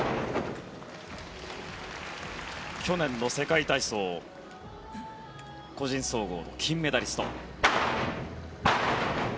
去年の世界体操個人総合の金メダリスト。